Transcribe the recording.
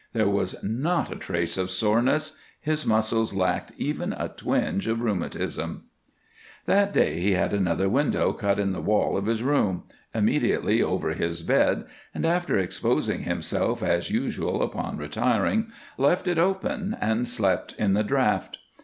There was not a trace of soreness; his muscles lacked even a twinge of rheumatism. That day he had another window cut in the wall of his room, immediately over his bed, and, after exposing himself as usual upon retiring, left it open and slept in the draught.